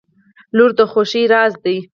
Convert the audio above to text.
• لور د خوښۍ راز دی.